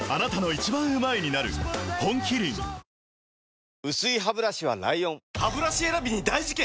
本麒麟薄いハブラシは ＬＩＯＮハブラシ選びに大事件！